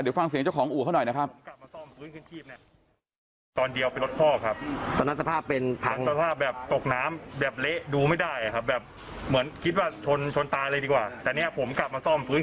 ถูกต้องแล้วนะครับอู๋ยาวกว่ากว่าจะได้เงินคืน